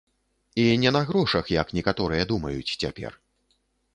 І не на грошах, як некаторыя думаюць цяпер.